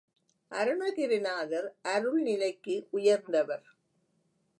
அருணகிரி நாதர் அருள் நிலைக்கு உயர்ந்தவர்.